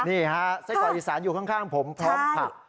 นี่ฮะไส้กรอกอีสานอยู่ข้างผมพร้อมผัก